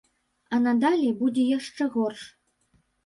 А надалей будзе яшчэ горш.